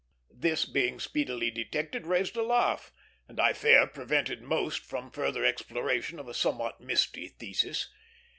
This, being speedily detected, raised a laugh, and I fear prevented most from further exploration of a somewhat misty thesis.